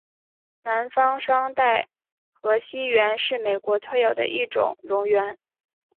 南方双带河溪螈是美国特有的一种蝾螈。